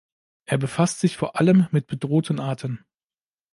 Er befasst sich vor allem mit bedrohten Arten.